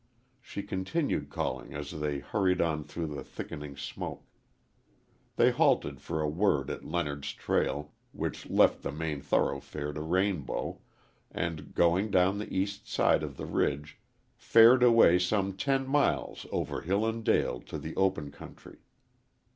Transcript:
She continued calling as they hurried on through thickening smoke. They halted for a word at Leonard's Trail, which left the main thoroughfare to Rainbow, and, going down the east side of the ridge, fared away some ten miles over hill and dale to the open country.